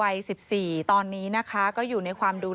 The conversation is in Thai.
แล้วตอนนี้ศาลให้ประกันตัวออกมาแล้ว